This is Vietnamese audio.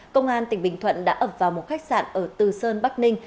công an tỉnh bình thuận đã ập vào một khách sạn ở từ sơn bắc ninh